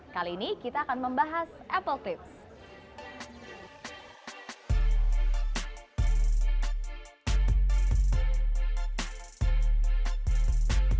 kali ini kita akan membahas apple clips